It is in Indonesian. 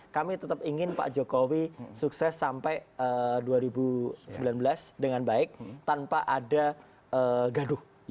kami tetap ingin pak jokowi sukses sampai dua ribu sembilan belas dengan baik tanpa ada gaduh